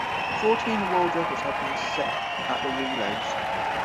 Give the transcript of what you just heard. Fourteen world records have been set at the Relays.